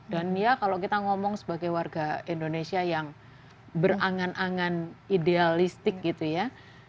dan ya kalau kita ngomong sebagai warga indonesia yang berangan angan idealistik gitu ya